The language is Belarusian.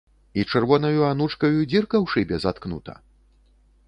І чырвонаю анучкаю дзірка ў шыбе заткнута?